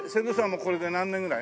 もうこれで何年ぐらい？